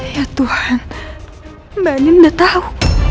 ya tuhan mbak ninda tahu